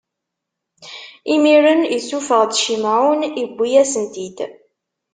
Imiren, issufɣ-d Cimɛun, iwwi-yasen-t-id.